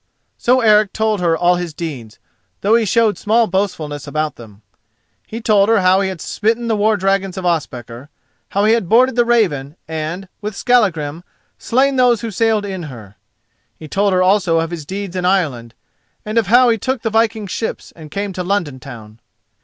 So Eric told her all his deeds, though he showed small boastfulness about them. He told her how he had smitten the war dragons of Ospakar, how he had boarded the Raven and with Skallagrim slain those who sailed in her. He told her also of his deeds in Ireland, and of how he took the viking ships and came to London town.